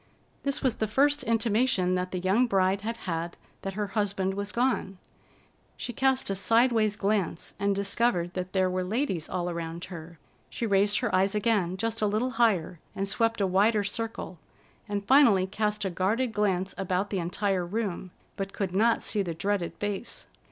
This was the first intimation that the young bride had had that her husband was gone. She cast a sidewise glance and discovered that there were ladies all around her. She raised her eyes again, just a little higher, and swept a wider circle, and finally cast a guarded glance about the entire room, but could not see the dreaded face.